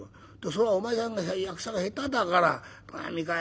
それをお前さんが役者が下手だからとか。